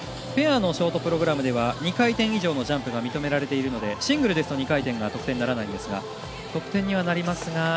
ペアのショートプログラムでは２回転以上のジャンプが認められているのでシングルですと２回転が得点になりませんが。